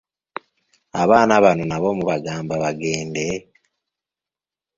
Abaana bano nabo mubagamba bagende.